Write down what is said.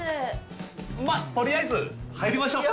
まぁとりあえず入りましょう